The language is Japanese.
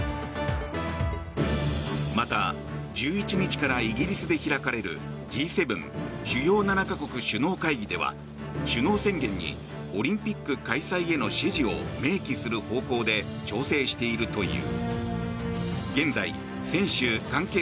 また、１１日からイギリスで開かれるＧ７・主要７か国首脳会議では首脳宣言にオリンピック開催への支持を明記する方向で調整しているという。